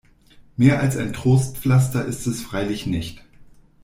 Mehr als ein Trostpflaster ist es freilich nicht.